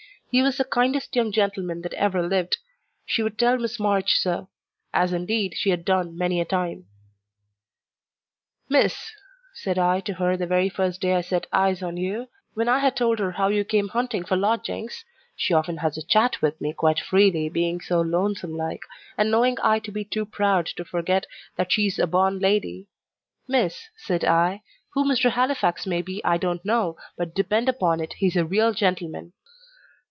He was the kindest young gentleman that ever lived. She would tell Miss March so; as, indeed, she had done many a time. "'Miss,' said I to her the very first day I set eyes on you, when I had told her how you came hunting for lodgings (she often has a chat with me quite freely, being so lonesome like, and knowing I to be too proud to forget that she's a born lady) 'Miss,' said I, 'who Mr. Halifax may be I don't know, but depend upon it he's a real gentleman.'"